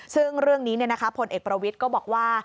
ซึ่งเรื่องนี้พลเอกประวิทย์ก็บอกว่า